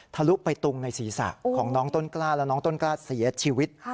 ลุไปตุงในศีรษะของน้องต้นกล้าแล้วน้องต้นกล้าเสียชีวิต